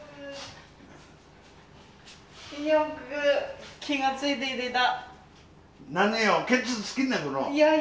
よく気が付いて入れた。